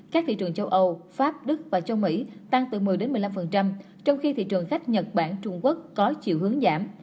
các thị trường châu âu pháp đức và châu mỹ tăng từ một mươi một mươi năm trong khi thị trường khách nhật bản trung quốc có chiều hướng giảm